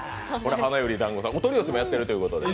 花より団子さん、お取り寄せもやっているということで。